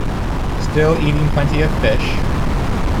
Still eating plenty of fish?